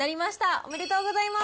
おめでとうございます。